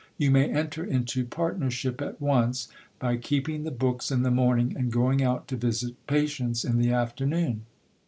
You may enter into partnership at once, by keeping the books in the morning, and going out to visit patients in the afternoon.